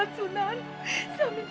apa yang sudah disembah